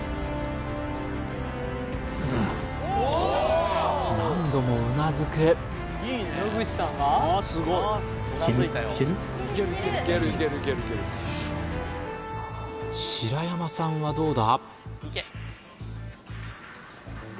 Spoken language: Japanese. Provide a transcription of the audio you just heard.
うん何度もうなずく白山さんはどうだ？